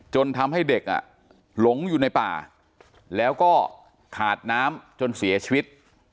ทำให้เด็กหลงอยู่ในป่าแล้วก็ขาดน้ำจนเสียชีวิต